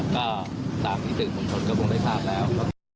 ก็ตามพิสิทธิ์หนุนชนดูพบได้ทางแล้ว